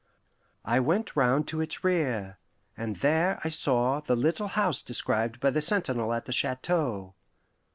I went round to its rear, and there I saw the little house described by the sentinel at the chateau.